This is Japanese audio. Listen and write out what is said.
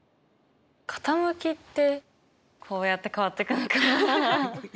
傾きってこうやって変わってくのかな？